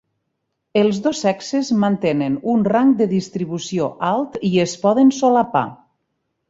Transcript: Els dos sexes mantenen un rang de distribució alt i es poden solapar.